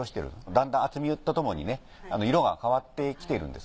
だんだん厚みとともに色が変わってきてるんです。